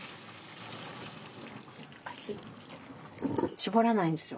絞らないんですよ